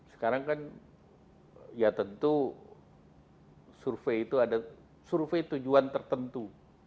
sekarang kan ya tentu survei itu ada survei tujuan tertentu